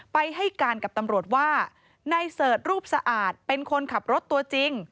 ให้การกับตำรวจว่านายเสิร์ชรูปสะอาดเป็นคนขับรถตัวจริง